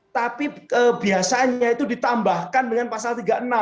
tapi biasanya itu ditambahkan dengan pasal tiga puluh enam